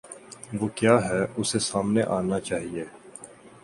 وہ کیا ہے، اسے سامنے آنا چاہیے۔